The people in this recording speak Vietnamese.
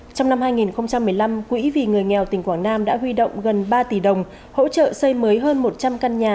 trong năm hai nghìn một mươi năm quỹ vì người nghèo tỉnh quảng nam đã huy động gần ba tỷ đồng hỗ trợ xây mới hơn một trăm linh căn nhà